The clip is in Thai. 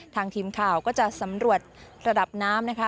ทางทีมข่าวก็จะสำรวจระดับน้ำนะคะ